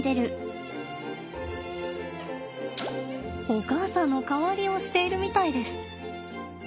お母さんの代わりをしているみたいです。